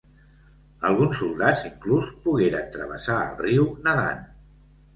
Alguns soldats inclús pogueren travessar el riu nadant.